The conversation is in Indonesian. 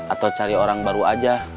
atau cari orang baru aja